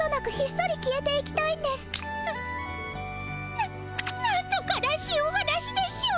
ななんと悲しいお話でしょう。